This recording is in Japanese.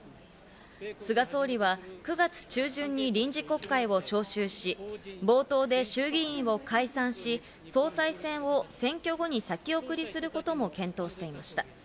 菅総理は９月中旬に臨時国会を召集し、冒頭で衆議院を解散し、総裁選を選挙後に先送りすることも検討していました。